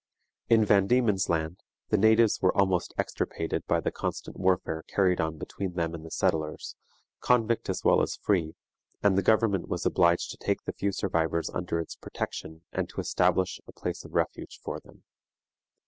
In Van Diemen's Land the natives were almost extirpated by the constant warfare carried on between them and the settlers, convict as well as free, and the government was obliged to take the few survivors under its protection, and to establish a place of refuge for them.